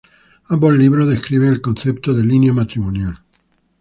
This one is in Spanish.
Ambos libros describen el concepto de línea matrimonial.